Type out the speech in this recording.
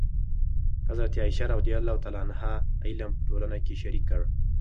حضرت عایشه رضي الله عنها علم په ټولنه کې شریک کړ.